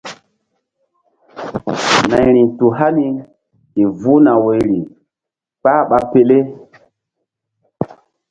Nayri tu hani ke vuh na woyri kpah ɓa pele.